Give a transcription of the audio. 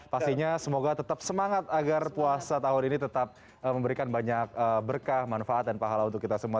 pastinya semoga tetap semangat agar puasa tahun ini tetap memberikan banyak berkah manfaat dan pahala untuk kita semua